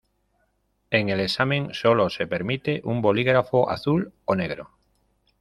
En el examen sólo se permite un bolígrafo azul o negro.